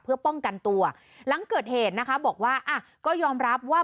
เพื่อป้องกันตัวหลังเกิดเหตุนะคะบอกว่าอ่ะก็ยอมรับว่า